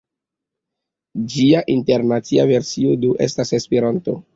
Ĝia internacia versio do estas Esperanto.